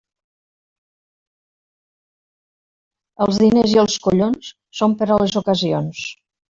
Els diners i els collons són per a les ocasions.